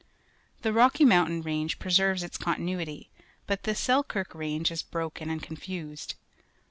The Rocky Moimtain Range preserves its continuity, but the Selkirk Range is broken and confused.